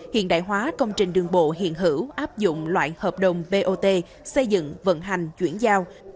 hiện đại hóa công trình đường bộ hiện hữu áp dụng loại hợp đồng bot xây dựng vận hành chuyển giao